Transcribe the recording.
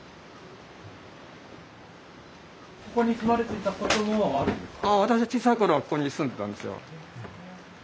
ここに住まれていたことはあるんですか？